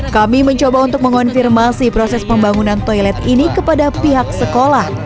kami mencoba untuk mengonfirmasi proses pembangunan toilet ini kepada pihak sekolah